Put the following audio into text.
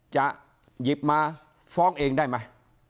จะหยิบมาฟ้องเองได้ไหม